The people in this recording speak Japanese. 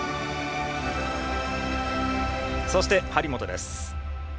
そして、張本です。